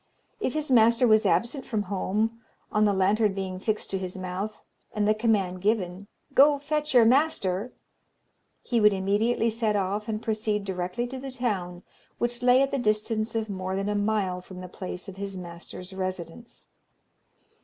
If his master was absent from home, on the lantern being fixed to his mouth, and the command given, "Go, fetch your master," he would immediately set off and proceed directly to the town, which lay at the distance of more than a mile from the place of his master's residence.